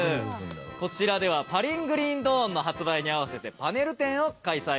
こちらでは「パリングリンドーン」の発売に合わせてパネル展を開催。